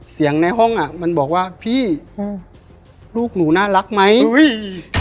ในห้องอ่ะมันบอกว่าพี่อืมลูกหนูน่ารักไหมอุ้ย